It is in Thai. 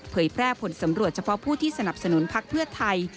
แพร่ผลสำรวจเฉพาะผู้ที่สนับสนุนพักเพื่อไทย